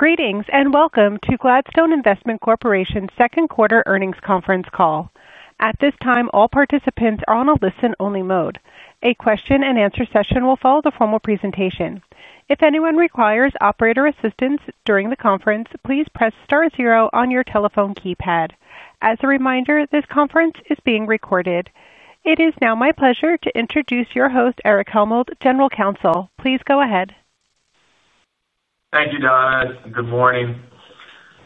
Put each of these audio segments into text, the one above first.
Greetings and welcome to Gladstone Investment Corporation's second quarter earnings conference call. At this time, all participants are on a listen-only mode. A question-and-answer session will follow the formal presentation. If anyone requires operator assistance during the conference, please press star zero on your telephone keypad. As a reminder, this conference is being recorded. It is now my pleasure to introduce your host, Eric Helmold, General Counsel. Please go ahead. Thank you, Donna and good morning.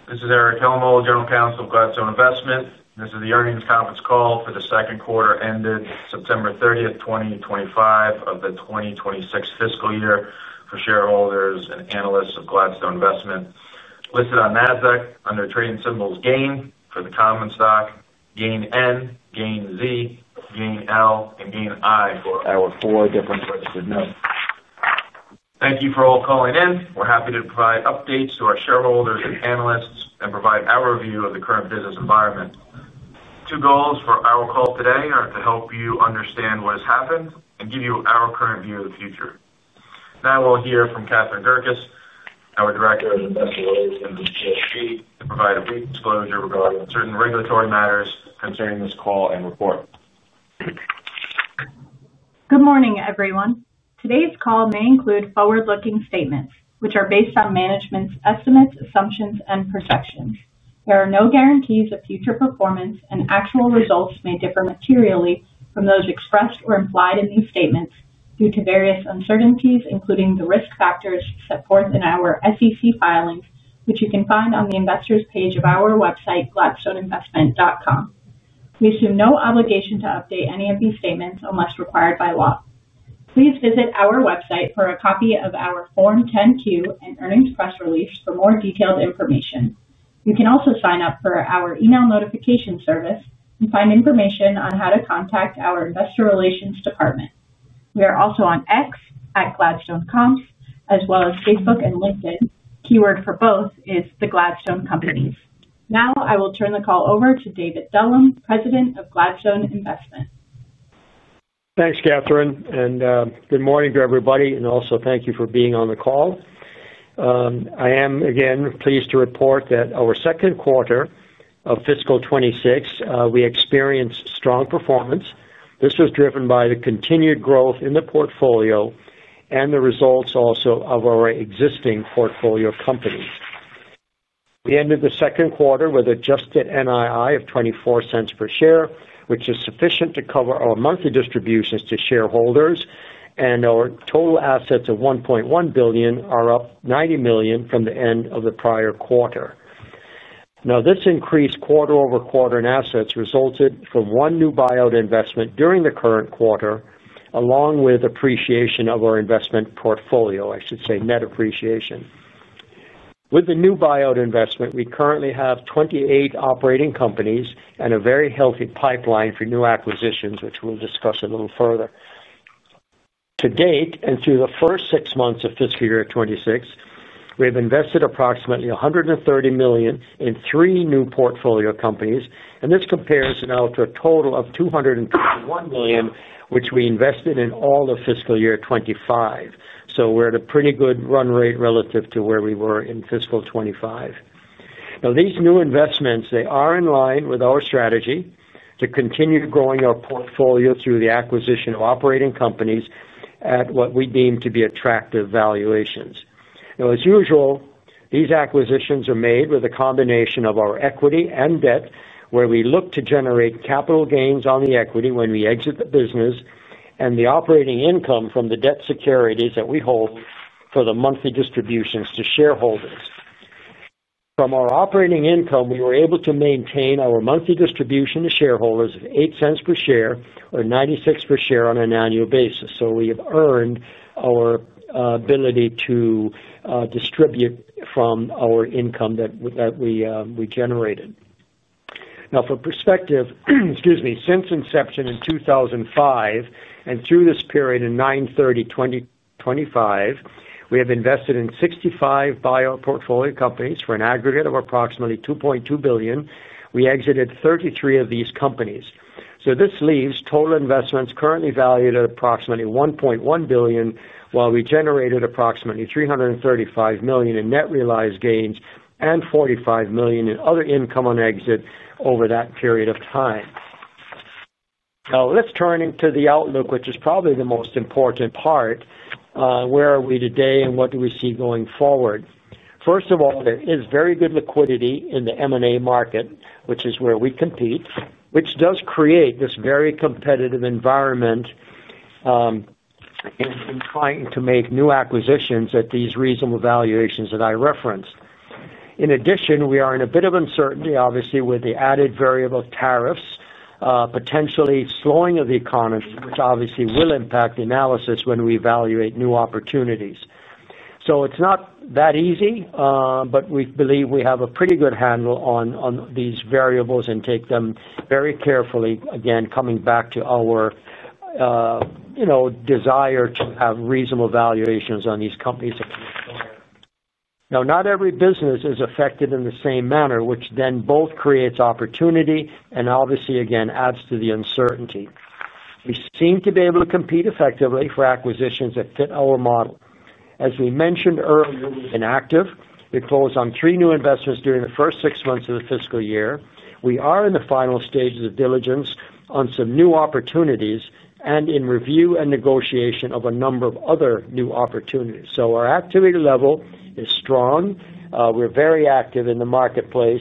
This is Eric Helmold, General Counsel of Gladstone Investment. This is the earnings conference call for the second quarter ended September 30, 2025, of the 2026 fiscal year for shareholders and analysts of Gladstone Investment. Listed on NASDAQ under trading symbols GAIN for the common stock, GAIN N, GAIN Z, GAIN L, and GAIN I for our four different registered notes. Thank you for all calling in. We're happy to provide updates to our shareholders and analysts and provide our view of the current business environment. Two goals for our call today are to help you understand what has happened and give you our current view of the future. Now we'll hear from Catherine Gerkus, our Director of Investor Relations and CSP, to provide a brief disclosure regarding certain regulatory matters concerning this call and report. Good morning, everyone. Today's call may include forward-looking statements, which are based on management's estimates, assumptions, and projections. There are no guarantees of future performance, and actual results may differ materially from those expressed or implied in these statements due to various uncertainties, including the risk factors set forth in our SEC filings, which you can find on the investors' page of our website, gladstoneinvestment.com. We assume no obligation to update any of these statements unless required by law. Please visit our website for a copy of our Form 10-Q and earnings press release for more detailed information. You can also sign up for our email notification service and find information on how to contact our investor relations department. We are also on X at gladstonecomps as well as Facebook and LinkedIn. Keyword for both is the Gladstone Companies. Now I will turn the call over to David Dullum, President of Gladstone Investment. Thanks, Catherine, and good morning to everybody. Also, thank you for being on the call. I am again pleased to report that our second quarter of fiscal 2026, we experienced strong performance. This was driven by the continued growth in the portfolio and the results also of our existing portfolio companies. We ended the second quarter with adjusted NII of $0.24 per share, which is sufficient to cover our monthly distributions to shareholders, and our total assets of $1.1 billion are up $90 million from the end of the prior quarter. Now, this increased quarter-over-quarter in assets resulted from one new buyout investment during the current quarter, along with appreciation of our investment portfolio, I should say net appreciation. With the new buyout investment, we currently have 28 operating companies and a very healthy pipeline for new acquisitions, which we will discuss a little further. To date and through the first six months of fiscal year 2026, we have invested approximately $130 million in three new portfolio companies, and this compares now to a total of $221 million, which we invested in all of fiscal year 2025. We are at a pretty good run rate relative to where we were in fiscal 2025. These new investments, they are in line with our strategy to continue growing our portfolio through the acquisition of operating companies at what we deem to be attractive valuations. As usual, these acquisitions are made with a combination of our equity and debt, where we look to generate capital gains on the equity when we exit the business and the operating income from the debt securities that we hold for the monthly distributions to shareholders. From our operating income, we were able to maintain our monthly distribution to shareholders of $0.08 per share or $0.96 per share on an annual basis. We have earned our ability to distribute from our income that we generated. Now, for perspective, excuse me, since inception in 2005 and through this period in September 30, 2025, we have invested in 65 buyout portfolio companies for an aggregate of approximately $2.2 billion. We exited 33 of these companies. This leaves total investments currently valued at approximately $1.1 billion, while we generated approximately $335 million in net realized gains and $45 million in other income on exit over that period of time. Now, let's turn into the outlook, which is probably the most important part. Where are we today and what do we see going forward? First of all, there is very good liquidity in the M&A market, which is where we compete, which does create this very competitive environment. In trying to make new acquisitions at these reasonable valuations that I referenced. In addition, we are in a bit of uncertainty, obviously, with the added variable tariffs, potentially slowing of the economy, which obviously will impact the analysis when we evaluate new opportunities. It is not that easy, but we believe we have a pretty good handle on these variables and take them very carefully, again, coming back to our desire to have reasonable valuations on these companies. Now, not every business is affected in the same manner, which then both creates opportunity and obviously, again, adds to the uncertainty. We seem to be able to compete effectively for acquisitions that fit our model. As we mentioned earlier, we have been active. We closed on three new investments during the first six months of the fiscal year. We are in the final stages of diligence on some new opportunities and in review and negotiation of a number of other new opportunities. Our activity level is strong. We're very active in the marketplace.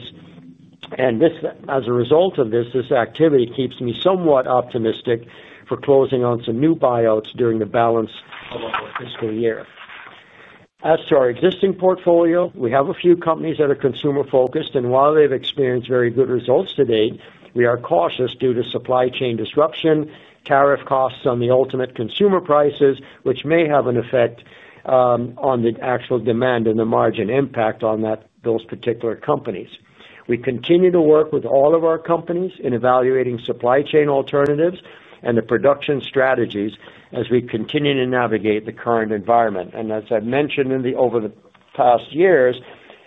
As a result of this, this activity keeps me somewhat optimistic for closing on some new buyouts during the balance of our fiscal year. As to our existing portfolio, we have a few companies that are consumer-focused, and while they've experienced very good results to date, we are cautious due to supply chain disruption, tariff costs on the ultimate consumer prices, which may have an effect on the actual demand and the margin impact on those particular companies. We continue to work with all of our companies in evaluating supply chain alternatives and the production strategies as we continue to navigate the current environment. As I've mentioned over the past years,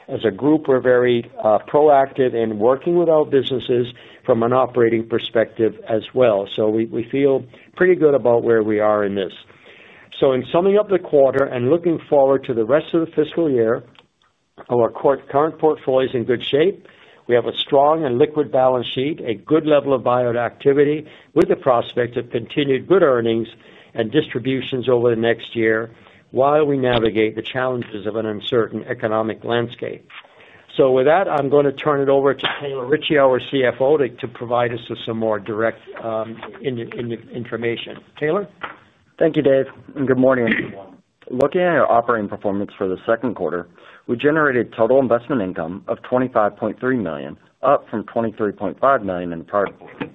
as a group, we're very proactive in working with our businesses from an operating perspective as well. We feel pretty good about where we are in this. In summing up the quarter and looking forward to the rest of the fiscal year, our current portfolio is in good shape. We have a strong and liquid balance sheet, a good level of buyout activity with the prospect of continued good earnings and distributions over the next year while we navigate the challenges of an uncertain economic landscape. With that, I'm going to turn it over to Taylor Ritchie, our CFO, to provide us with some more direct information. Taylor? Thank you, Dave. Good morning, everyone. Looking at our operating performance for the second quarter, we generated total investment income of $25.3 million, up from $23.5 million in the prior quarter.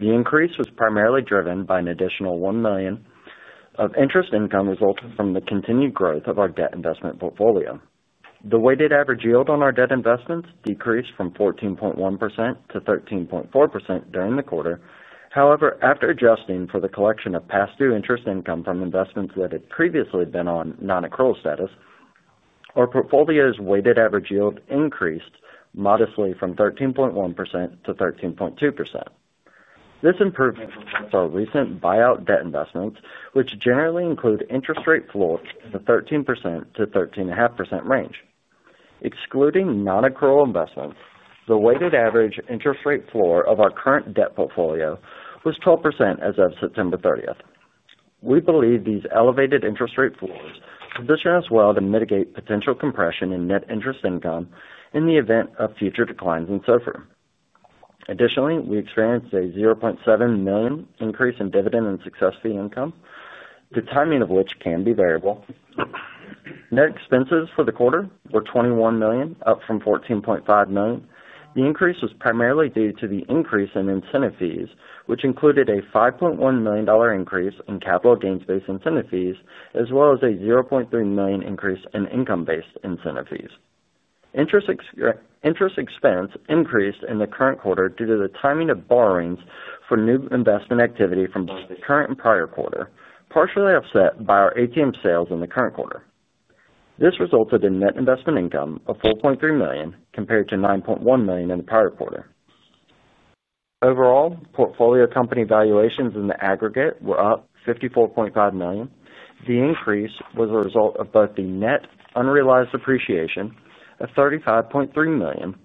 The increase was primarily driven by an additional $1 million of interest income resulting from the continued growth of our debt investment portfolio. The weighted average yield on our debt investments decreased from 14.1% to 13.4% during the quarter. However, after adjusting for the collection of past due interest income from investments that had previously been on non-accrual status, our portfolio's weighted average yield increased modestly from 13.1% to 13.2%. This improvement affects our recent buyout debt investments, which generally include interest rate floors in the 13%-13.5% range. Excluding non-accrual investments, the weighted average interest rate floor of our current debt portfolio was 12% as of September 30th. We believe these elevated interest rate floors position us well to mitigate potential compression in net interest income in the event of future declines in Silver. Additionally, we experienced a $0.7 million increase in dividend and success fee income, the timing of which can be variable. Net expenses for the quarter were $21 million, up from $14.5 million. The increase was primarily due to the increase in incentive fees, which included a $5.1 million increase in capital gains-based incentive fees, as well as a $0.3 million increase in income-based incentive fees. Interest expense increased in the current quarter due to the timing of borrowings for new investment activity from both the current and prior quarter, partially offset by our ATM sales in the current quarter. This resulted in net investment income of $4.3 million compared to $9.1 million in the prior quarter. Overall, portfolio company valuations in the aggregate were up $54.5 million. The increase was a result of both the net unrealized appreciation of $35.3 million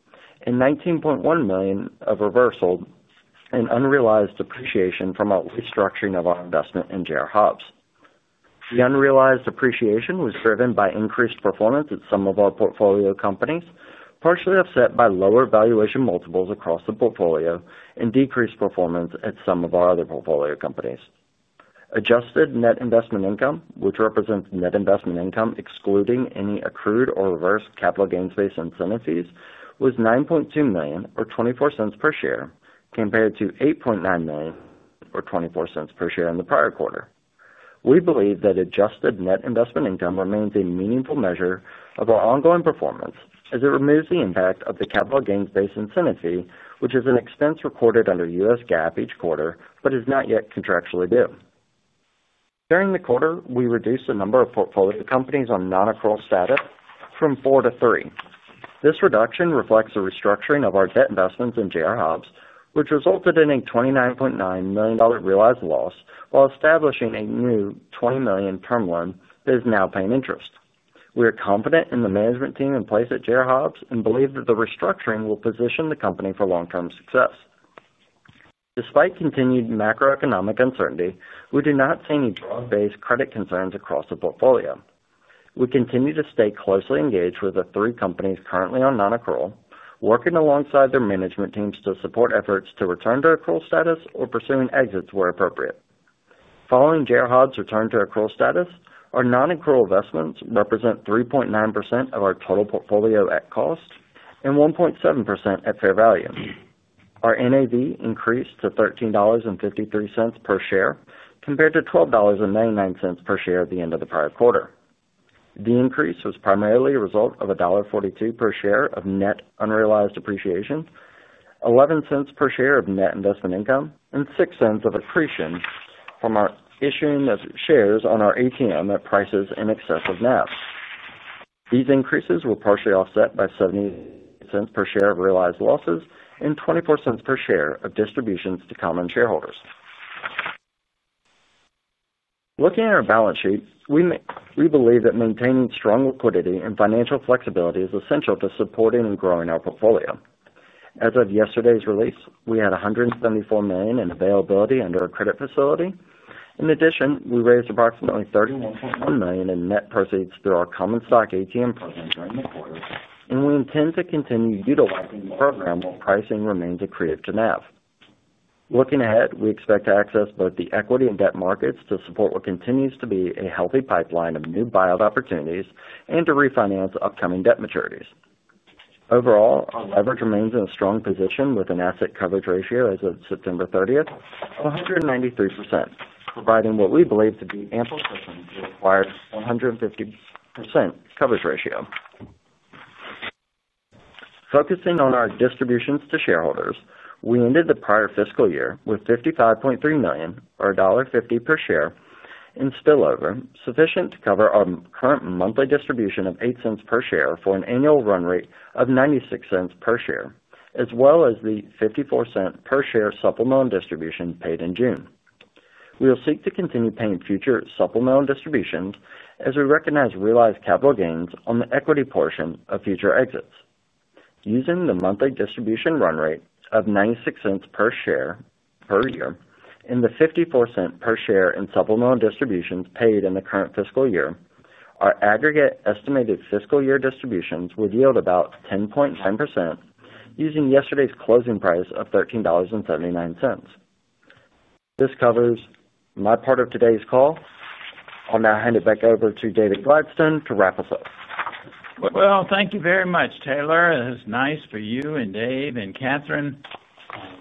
and $19.1 million of reversal and unrealized appreciation from our restructuring of our investment in JR Hobbs. The unrealized appreciation was driven by increased performance at some of our portfolio companies, partially offset by lower valuation multiples across the portfolio and decreased performance at some of our other portfolio companies. Adjusted net investment income, which represents net investment income excluding any accrued or reversed capital gains-based incentive fees, was $9.2 million or $0.24 per share compared to $8.9 million or $0.24 per share in the prior quarter. We believe that adjusted net investment income remains a meaningful measure of our ongoing performance as it removes the impact of the capital gains-based incentive fee, which is an expense recorded under US GAAP each quarter but is not yet contractually due. During the quarter, we reduced the number of portfolio companies on non-accrual status from four to three. This reduction reflects the restructuring of our debt investments in JR Hobbs, which resulted in a $29.9 million realized loss while establishing a new $20 million term loan that is now paying interest. We are confident in the management team in place at JR Hobbs and believe that the restructuring will position the company for long-term success. Despite continued macroeconomic uncertainty, we do not see any broad-based credit concerns across the portfolio. We continue to stay closely engaged with the three companies currently on non-accrual, working alongside their management teams to support efforts to return to accrual status or pursuing exits where appropriate. Following JR Hobbs' return to accrual status, our non-accrual investments represent 3.9% of our total portfolio at cost and 1.7% at fair value. Our NAV increased to $13.53 per share compared to $12.99 per share at the end of the prior quarter. The increase was primarily a result of $1.42 per share of net unrealized appreciation, $0.11 per share of net investment income, and $0.06 of accretion from our issuing of shares on our ATM at prices in excess of NAV. These increases were partially offset by $0.78 per share of realized losses and $0.24 per share of distributions to common shareholders. Looking at our balance sheet, we believe that maintaining strong liquidity and financial flexibility is essential to supporting and growing our portfolio. As of yesterday's release, we had $174 million in availability under our credit facility. In addition, we raised approximately $31.1 million in net proceeds through our common stock ATM program during the quarter, and we intend to continue utilizing the program while pricing remains accretive to NAV. Looking ahead, we expect to access both the equity and debt markets to support what continues to be a healthy pipeline of new buyout opportunities and to refinance upcoming debt maturities. Overall, our leverage remains in a strong position with an asset coverage ratio as of September 30 of 193%, providing what we believe to be ample cushion to acquire a 150% coverage ratio. Focusing on our distributions to shareholders, we ended the prior fiscal year with $55.3 million or $1.50 per share in spillover, sufficient to cover our current monthly distribution of $0.08 per share for an annual run rate of $0.96 per share, as well as the $0.54 per share supplemental distribution paid in June. We will seek to continue paying future supplemental distributions as we recognize realized capital gains on the equity portion of future exits. Using the monthly distribution run rate of $0.96 per share per year and the $0.54 per share in supplemental distributions paid in the current fiscal year, our aggregate estimated fiscal year distributions would yield about 10.9% using yesterday's closing price of $13.79. This covers my part of today's call. I'll now hand it back over to David Gladstone to wrap us up. Thank you very much, Taylor. It's nice for you and Dave and Catherine.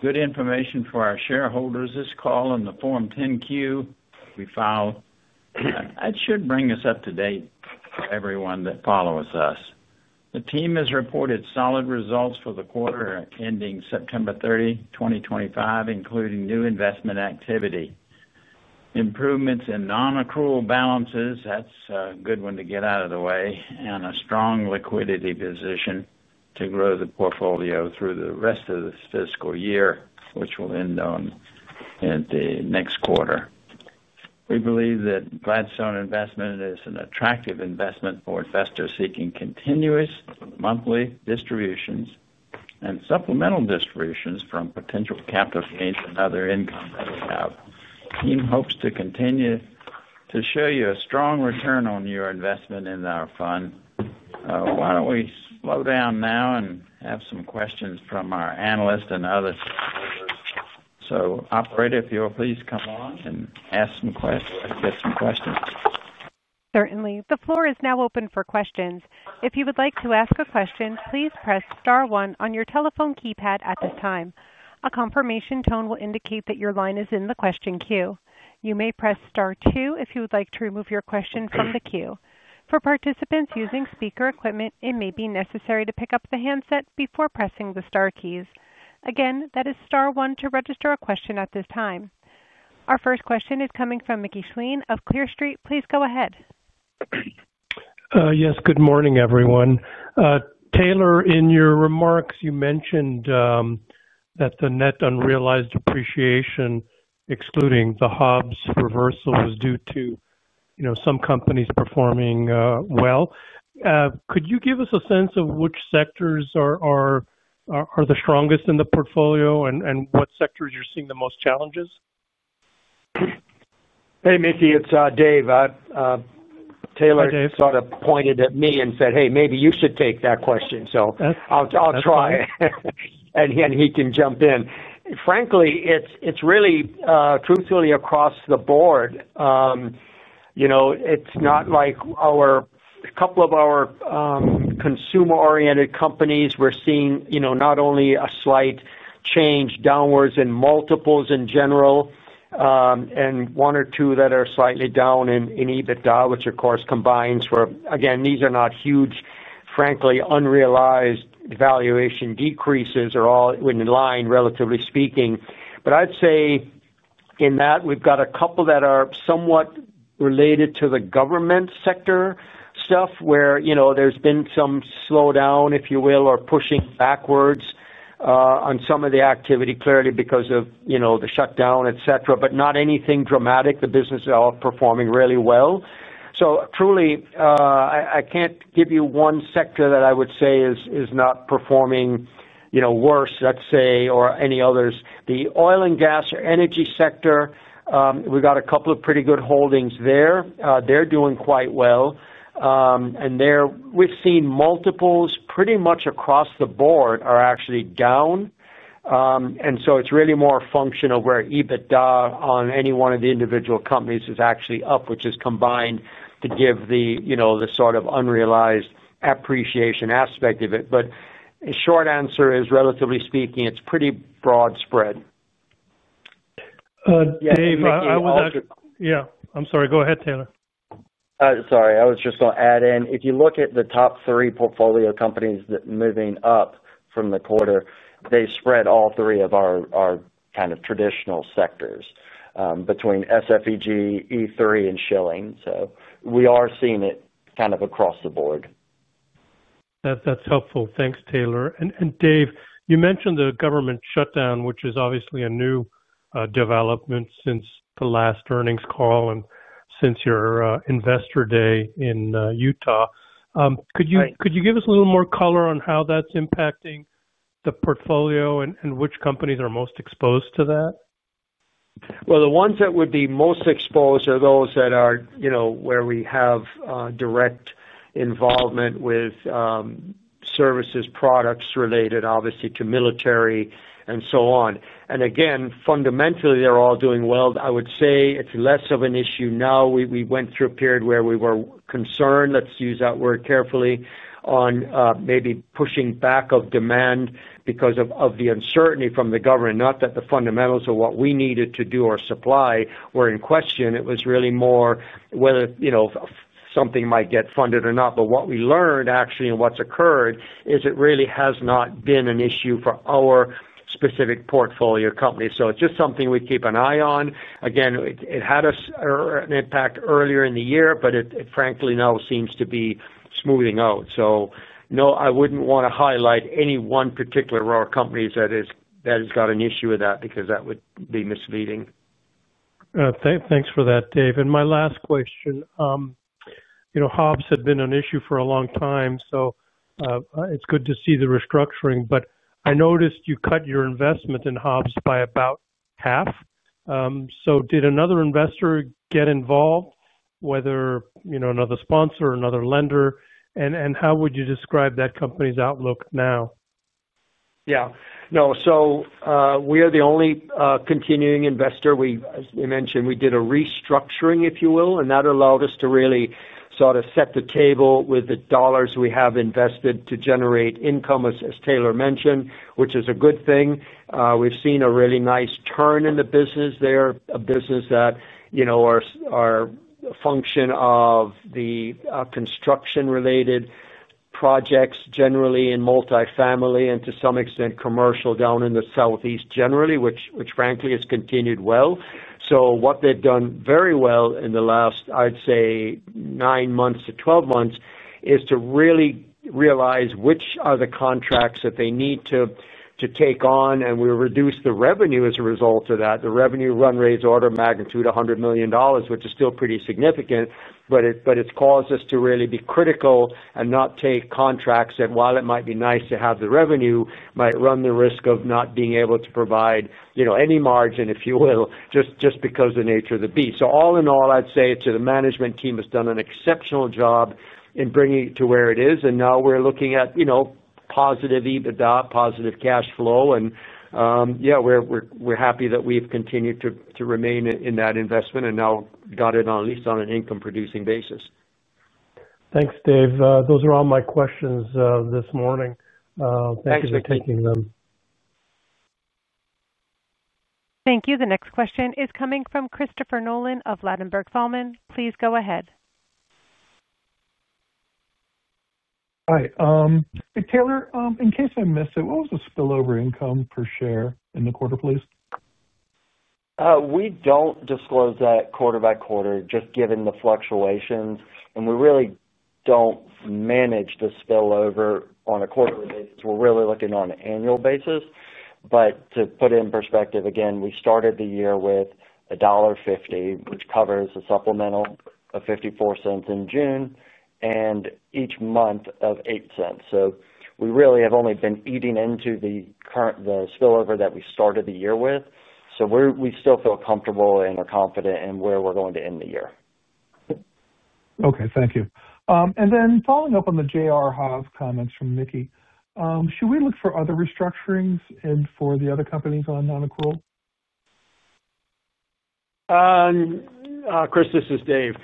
Good information for our shareholders. This call and the Form 10-Q we filed should bring us up to date for everyone that follows us. The team has reported solid results for the quarter ending September 30, 2025, including new investment activity. Improvements in non-accrual balances, that's a good one to get out of the way, and a strong liquidity position to grow the portfolio through the rest of the fiscal year, which will end on the next quarter. We believe that Gladstone Investment is an attractive investment for investors seeking continuous monthly distributions and supplemental distributions from potential capital gains and other income that we have. The team hopes to continue to show you a strong return on your investment in our fund. Why don't we slow down now and have some questions from our analyst and other shareholders? Operator, if you'll please come on and ask some questions. Certainly. The floor is now open for questions. If you would like to ask a question, please press Star 1 on your telephone keypad at this time. A confirmation tone will indicate that your line is in the question queue. You may press Star 2 if you would like to remove your question from the queue. For participants using speaker equipment, it may be necessary to pick up the handset before pressing the Star keys. Again, that is Star 1 to register a question at this time. Our first question is coming from Mickey Schleien of Clear Street. Please go ahead. Yes. Good morning, everyone. Taylor, in your remarks, you mentioned that the net unrealized appreciation, excluding the Hobbs reversal, was due to some companies performing well. Could you give us a sense of which sectors are the strongest in the portfolio and what sectors you're seeing the most challenges? Hey, Mickey. It's Dave. Taylor. Hey, Dave. Sort of pointed at me and said, "Hey, maybe you should take that question." So I'll try. That's fine. He can jump in. Frankly, it is really truthfully across the board. It is not like a couple of our consumer-oriented companies. We are seeing not only a slight change downwards in multiples in general, and one or two that are slightly down in EBITDA, which, of course, combines, where again, these are not huge, frankly, unrealized valuation decreases are all in line, relatively speaking. I would say in that, we have got a couple that are somewhat related to the government sector stuff where there has been some slowdown, if you will, or pushing backwards on some of the activity, clearly because of the shutdown, etc., but not anything dramatic. The business is all performing really well. Truly, I cannot give you one sector that I would say is performing worse, let us say, than any others. The oil and gas or energy sector, we've got a couple of pretty good holdings there. They're doing quite well. We've seen multiples pretty much across the board are actually down. It's really more functional where EBITDA on any one of the individual companies is actually up, which is combined to give the sort of unrealized appreciation aspect of it. The short answer is, relatively speaking, it's pretty broad spread. Dave, I was. Yeah. I'm sorry. Go ahead, Taylor. Sorry. I was just going to add in, if you look at the top three portfolio companies moving up from the quarter, they spread all three of our kind of traditional sectors between SFEG, E3, and Schilling. We are seeing it kind of across the board. That's helpful. Thanks, Taylor. Dave, you mentioned the government shutdown, which is obviously a new development since the last earnings call and since your investor day in Utah. Could you give us a little more color on how that's impacting the portfolio and which companies are most exposed to that? The ones that would be most exposed are those that are where we have direct involvement with. Services, products related, obviously, to military and so on. Again, fundamentally, they're all doing well. I would say it's less of an issue now. We went through a period where we were concerned, let's use that word carefully, on maybe pushing back of demand because of the uncertainty from the government, not that the fundamentals or what we needed to do or supply were in question. It was really more whether something might get funded or not. What we learned, actually, and what's occurred is it really has not been an issue for our specific portfolio company. It is just something we keep an eye on. Again, it had an impact earlier in the year, but it, frankly, now seems to be smoothing out. No, I wouldn't want to highlight any one particular of our companies that has got an issue with that because that would be misleading. Thanks for that, Dave. My last question. Hobbs had been an issue for a long time, so it's good to see the restructuring. I noticed you cut your investment in Hobbs by about half. Did another investor get involved, whether another sponsor or another lender? How would you describe that company's outlook now? Yeah. No. So we are the only continuing investor. As we mentioned, we did a restructuring, if you will, and that allowed us to really sort of set the table with the dollars we have invested to generate income, as Taylor mentioned, which is a good thing. We've seen a really nice turn in the business. They're a business that are a function of the construction-related projects generally in multifamily and, to some extent, commercial down in the Southeast generally, which, frankly, has continued well. What they've done very well in the last, I'd say, 9 months to 12 months is to really realize which are the contracts that they need to take on, and we reduced the revenue as a result of that. The revenue run rate is order of magnitude $100 million, which is still pretty significant, but it has caused us to really be critical and not take contracts that, while it might be nice to have the revenue, might run the risk of not being able to provide any margin, if you will, just because of the nature of the beast. All in all, I'd say the management team has done an exceptional job in bringing it to where it is. Now we're looking at positive EBITDA, positive cash flow. Yeah, we're happy that we've continued to remain in that investment and now got it at least on an income-producing basis. Thanks, Dave. Those are all my questions this morning. Thank you for taking them. Thank you. The next question is coming from Christopher Nolan of Ladenburg Thalmann. Please go ahead. Hi. Hey, Taylor. In case I missed it, what was the spillover income per share in the quarter, please? We don't disclose that quarter by quarter, just given the fluctuations. We really don't manage the spillover on a quarterly basis. We're really looking on an annual basis. To put it in perspective, again, we started the year with $1.50, which covers a supplemental of $0.54 in June, and each month of $0.08. We really have only been eating into the spillover that we started the year with. We still feel comfortable and are confident in where we're going to end the year. Okay. Thank you. And then following up on the JR Hobbs comments from Mickey, should we look for other restructurings for the other companies on non-accrual? Chris, this is Dave.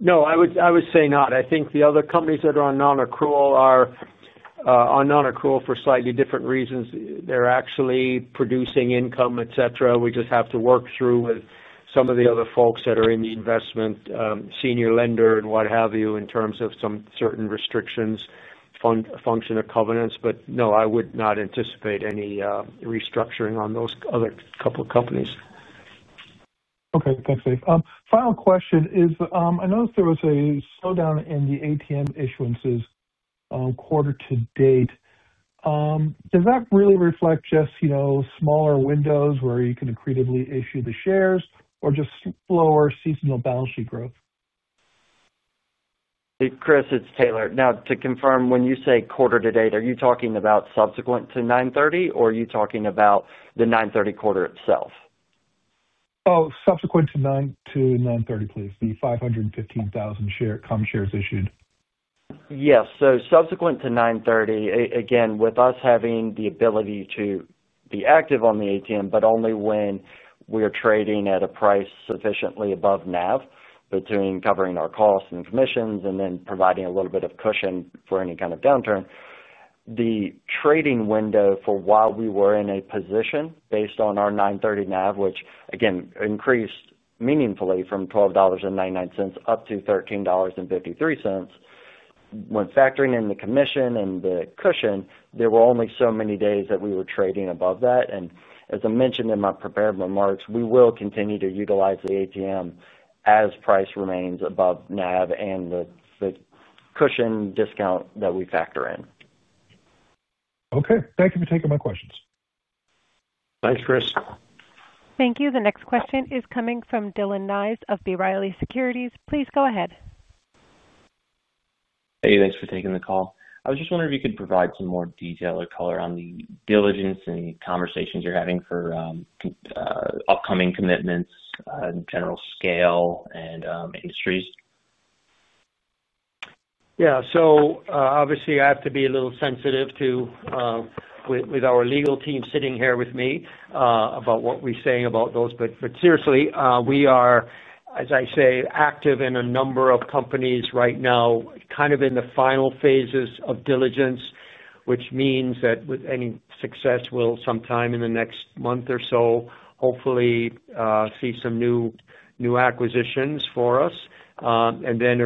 No, I would say not. I think the other companies that are on non-accrual are on non-accrual for slightly different reasons. They're actually producing income, etc. We just have to work through with some of the other folks that are in the investment, senior lender and what have you, in terms of some certain restrictions, function of covenants. No, I would not anticipate any restructuring on those other couple of companies. Okay. Thanks, Dave. Final question is, I noticed there was a slowdown in the ATM issuances. Quarter to date. Does that really reflect just smaller windows where you can accretively issue the shares or just slower seasonal balance sheet growth? Chris, it's Taylor. Now, to confirm, when you say quarter to date, are you talking about subsequent to 9/30, or are you talking about the 9/30 quarter itself? Oh, subsequent to 9/30, please. The 515,000 cum shares issued. Yes. Subsequent to 9/30, again, with us having the ability to be active on the ATM, but only when we're trading at a price sufficiently above NAV, between covering our costs and commissions and then providing a little bit of cushion for any kind of downturn. The trading window for while we were in a position based on our 9/30 NAV, which, again, increased meaningfully from $12.99 up to $13.53. When factoring in the commission and the cushion, there were only so many days that we were trading above that. As I mentioned in my prepared remarks, we will continue to utilize the ATM as price remains above NAV and the cushion discount that we factor in. Okay. Thank you for taking my questions. Thanks, Chris. Thank you. The next question is coming from Dylan Nise of B. Riley Securities. Please go ahead. Hey, thanks for taking the call. I was just wondering if you could provide some more detail or color on the diligence and conversations you're having for upcoming commitments in general scale and industries. Yeah. Obviously, I have to be a little sensitive to, with our legal team sitting here with me, about what we're saying about those. But seriously, we are, as I say, active in a number of companies right now, kind of in the final phases of diligence, which means that with any success, we'll sometime in the next month or so, hopefully, see some new acquisitions for us. There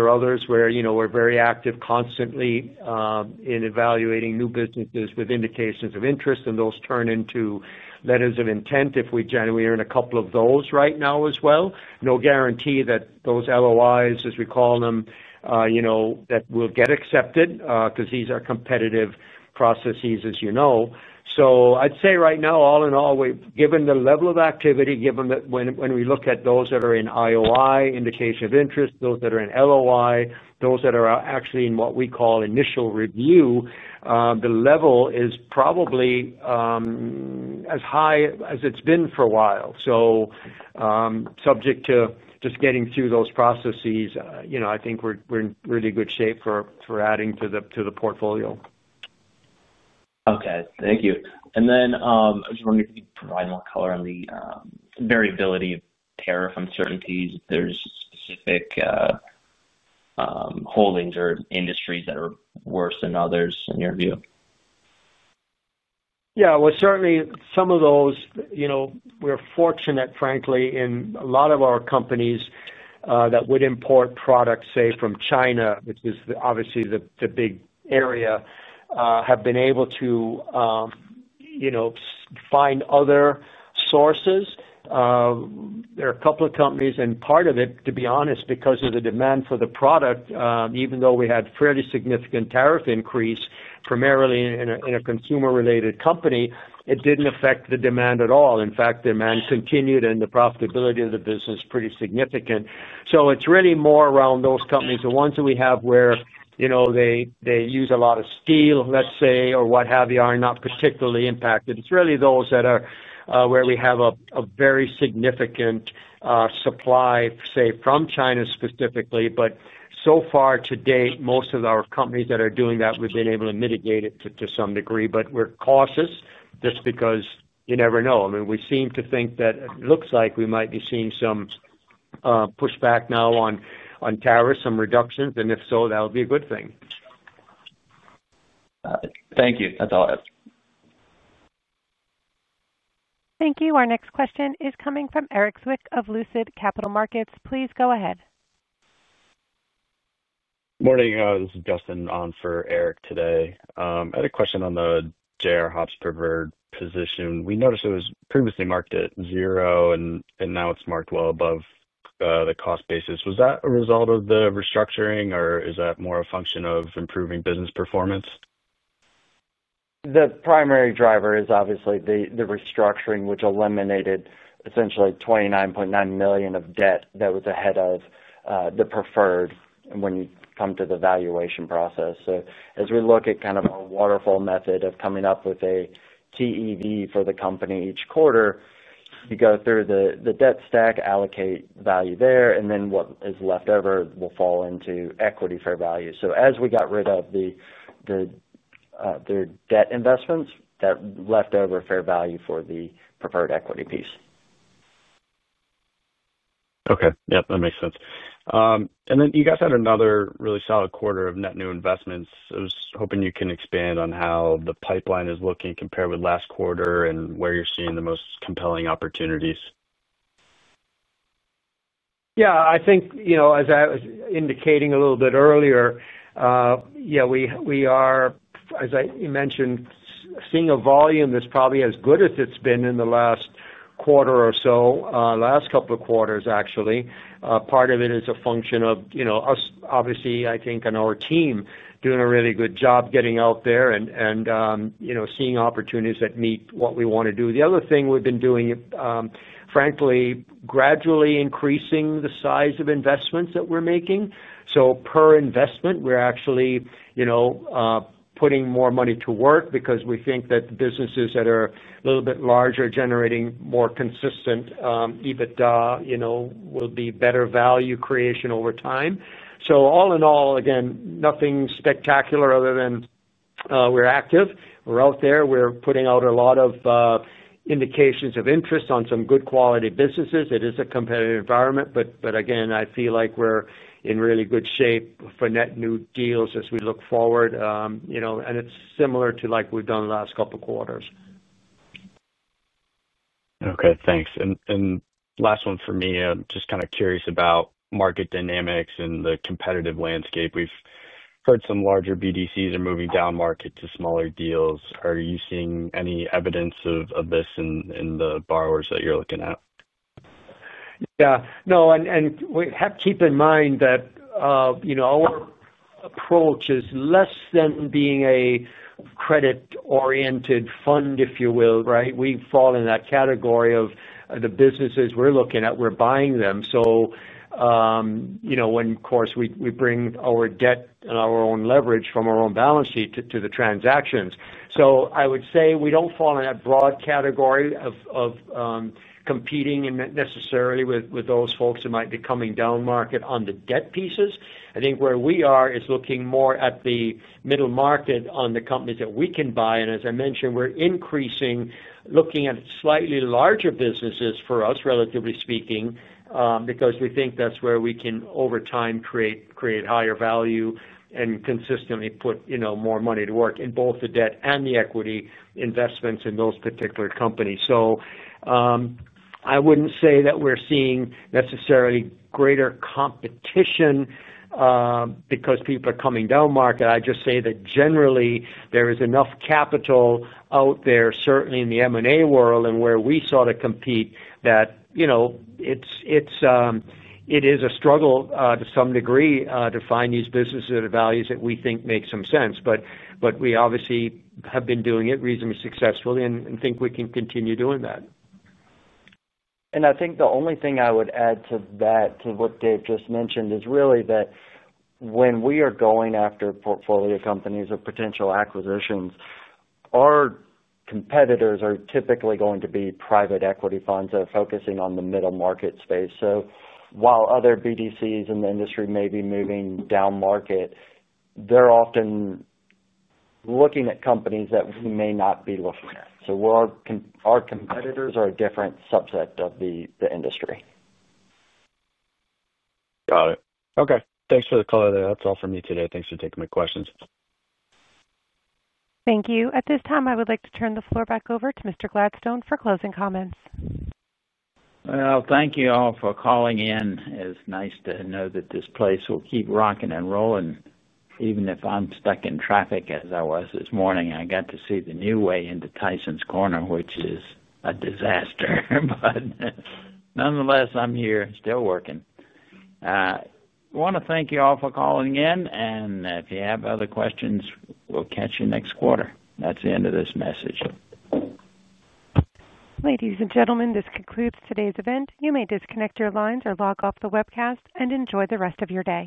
are others where we're very active constantly in evaluating new businesses with indications of interest, and those turn into letters of intent if we generate a couple of those right now as well. No guarantee that those LOIs, as we call them, will get accepted because these are competitive processes, as you know. I'd say right now, all in all, given the level of activity, given that when we look at those that are in IOI, indication of interest, those that are in LOI, those that are actually in what we call initial review, the level is probably as high as it's been for a while. Subject to just getting through those processes, I think we're in really good shape for adding to the portfolio. Okay. Thank you. I just wanted to provide more color on the variability of tariff uncertainties. If there are specific holdings or industries that are worse than others in your view. Yeah. Certainly, some of those, we're fortunate, frankly, in a lot of our companies that would import products, say, from China, which is obviously the big area, have been able to find other sources. There are a couple of companies. And part of it, to be honest, because of the demand for the product, even though we had fairly significant tariff increase, primarily in a consumer-related company, it did not affect the demand at all. In fact, demand continued, and the profitability of the business is pretty significant. It is really more around those companies, the ones that we have where they use a lot of steel, let's say, or what have you, are not particularly impacted. It is really those that are where we have a very significant supply, say, from China specifically. So far to date, most of our companies that are doing that, we've been able to mitigate it to some degree. We're cautious just because you never know. I mean, we seem to think that it looks like we might be seeing some pushback now on tariffs, some reductions. If so, that would be a good thing. Thank you. That's all I have. Thank you. Our next question is coming from Eric Zwick of Lucid Capital Markets. Please go ahead. Morning. This is Justin On for Eric today. I had a question on the JR Hobbs preferred position. We noticed it was previously marked at zero, and now it's marked well above the cost basis. Was that a result of the restructuring, or is that more a function of improving business performance? The primary driver is obviously the restructuring, which eliminated essentially $29.9 million of debt that was ahead of the preferred when you come to the valuation process. As we look at kind of our waterfall method of coming up with a TEV for the company each quarter, you go through the debt stack, allocate value there, and then what is left over will fall into equity fair value. As we got rid of the debt investments, that left over fair value for the preferred equity piece. Okay. Yep. That makes sense. You guys had another really solid quarter of net new investments. I was hoping you can expand on how the pipeline is looking compared with last quarter and where you're seeing the most compelling opportunities. Yeah. I think, as I was indicating a little bit earlier, yeah, we are, as I mentioned, seeing a volume that's probably as good as it's been in the last quarter or so, last couple of quarters, actually. Part of it is a function of, obviously, I think, our team doing a really good job getting out there and seeing opportunities that meet what we want to do. The other thing we've been doing, frankly, is gradually increasing the size of investments that we're making. So per investment, we're actually putting more money to work because we think that the businesses that are a little bit larger, generating more consistent EBITDA, will be better value creation over time. All in all, again, nothing spectacular other than we're active, we're out there, we're putting out a lot of indications of interest on some good quality businesses. It is a competitive environment. Again, I feel like we're in really good shape for net new deals as we look forward. It's similar to like we've done the last couple of quarters. Okay. Thanks. Last one for me, I'm just kind of curious about market dynamics and the competitive landscape. We've heard some larger BDCs are moving down market to smaller deals. Are you seeing any evidence of this in the borrowers that you're looking at? Yeah. No. Keep in mind that our approach is less than being a credit-oriented fund, if you will, right? We fall in that category of the businesses we're looking at, we're buying them. When we bring our debt and our own leverage from our own balance sheet to the transactions. I would say we don't fall in that broad category of competing necessarily with those folks who might be coming down market on the debt pieces. I think where we are is looking more at the middle market on the companies that we can buy. As I mentioned, we're increasingly looking at slightly larger businesses for us, relatively speaking, because we think that's where we can, over time, create higher value and consistently put more money to work in both the debt and the equity investments in those particular companies. I wouldn't say that we're seeing necessarily greater competition. Because people are coming down market. I just say that generally, there is enough capital out there, certainly in the M&A world and where we sort of compete, that it is a struggle to some degree to find these businesses at values that we think make some sense. But we obviously have been doing it reasonably successfully and think we can continue doing that. I think the only thing I would add to that, to what Dave just mentioned, is really that when we are going after portfolio companies or potential acquisitions, our competitors are typically going to be private equity funds that are focusing on the middle market space. While other BDCs in the industry may be moving down market, they're often looking at companies that we may not be looking at. Our competitors are a different subset of the industry. Got it. Okay. Thanks for the call, though. That's all for me today. Thanks for taking my questions. Thank you. At this time, I would like to turn the floor back over to Mr. Gladstone for closing comments. Thank you all for calling in. It's nice to know that this place will keep rocking and rolling, even if I'm stuck in traffic as I was this morning. I got to see the new way into Tysons Corner, which is a disaster. Nonetheless, I'm here still working. I want to thank you all for calling in. If you have other questions, we'll catch you next quarter. That's the end of this message. Ladies and gentlemen, this concludes today's event. You may disconnect your lines or log off the webcast and enjoy the rest of your day.